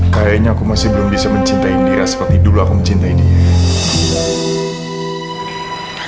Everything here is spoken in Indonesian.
kayaknya aku masih belum bisa mencintai dia seperti dulu aku mencintai dia